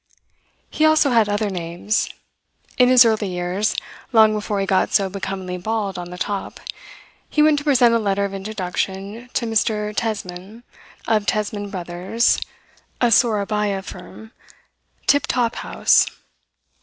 He also had other names. In his early years, long before he got so becomingly bald on the top, he went to present a letter of introduction to Mr. Tesman of Tesman Brothers, a Sourabaya firm tip top house.